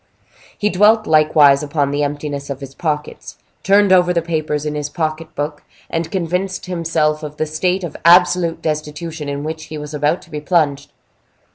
He dwelt likewise upon the emptiness of his pockets, turned over the papers in his pocket book, and convinced himself of the state of absolute destitution in which he was about to be plunged.